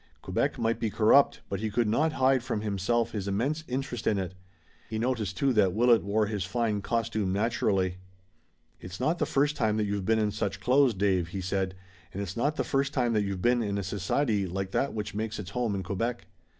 Quebec might be corrupt but he could not hide from himself his immense interest in it. He noticed, too, that Willet wore his fine costume naturally. "It's not the first time that you've been in such clothes, Dave," he said, "and it's not the first time that you've been in a society like that which makes its home in Quebec."